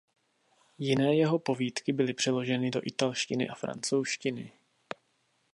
Jiné jeho povídky byly přeloženy do italštiny a francouzštiny.